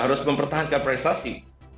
harus mempertahankan prestasi